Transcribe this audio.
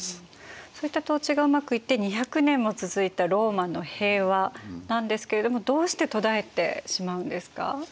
そういった統治がうまくいって２００年も続いたローマの平和なんですけれどもどうして途絶えてしまうんですか。